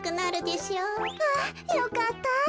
あよかった。